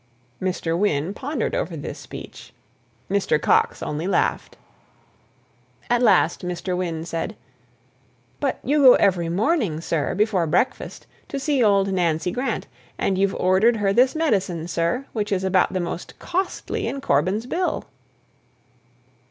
Mr. Wynne pondered over this speech; Mr. Coxe only laughed. At last Mr. Wynne said, "But you go every morning, sir, before breakfast to see old Nancy Grant, and you've ordered her this medicine, sir, which is about the most costly in Corbyn's bill?"